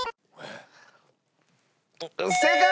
正解！